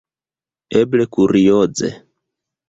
Eble kurioze!